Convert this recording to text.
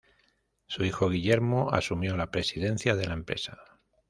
Su hijo Guillermo asumió la presidencia de la empresa.